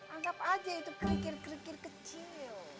anggap aja itu krikir krikir kecil